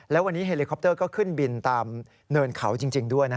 แล้ววันนี้เฮลิคอปเตอร์ก็ขึ้นบินตามเนินเขาจริงด้วย